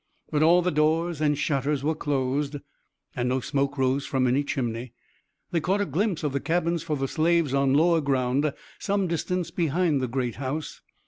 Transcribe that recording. But all the doors and shutters were closed and no smoke rose from any chimney. They caught a glimpse of the cabins for the slaves, on lower ground some distance behind the great house.